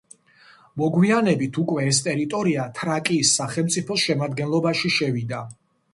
მოგვიანებით უკვე ეს ტერიტორია თრაკიის სახელმწიფოს შემადგენლობაში შევიდა.